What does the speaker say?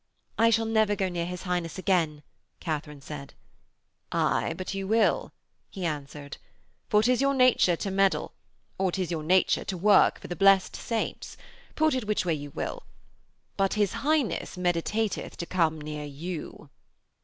'I shall never go near his Highness again,' Katharine said. 'Aye, but you will,' he answered, 'for 'tis your nature to meddle; or 'tis your nature to work for the blessed saints. Put it which way you will. But his Highness meditateth to come near you.'